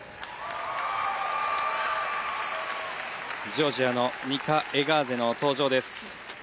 ジョージアのニカ・エガーゼの登場です。